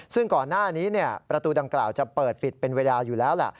ซึ่งก่อนหน้านี้ประตูดังกล่าวจะเปิดปิดเป็นเวลาอยู่แล้วแหละ